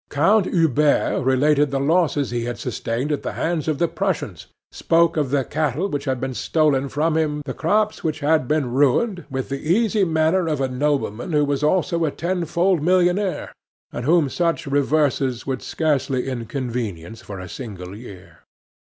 Count Hubert related the losses he had sustained at the hands of the Prussians, spoke of the cattle which had been stolen from him, the crops which had been ruined, with the easy manner of a nobleman who was also a tenfold millionaire, and whom such reverses would scarcely inconvenience for a single year.